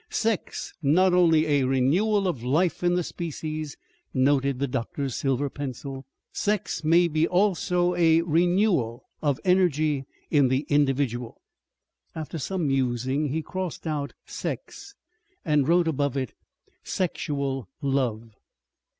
"SEX NOT ONLY A RENEWAL OF LIFE IN THE SPECIES," noted the doctor's silver pencil; "SEX MAY BE ALSO A RENEWAL OF ENERGY IN THE INDIVIDUAL." After some musing he crossed out "sex" and wrote above it "sexual love."